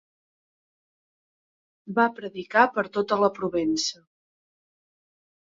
Va predicar per tota la Provença.